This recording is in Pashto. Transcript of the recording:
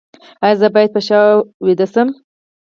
ایا زه باید په شا ویده شم؟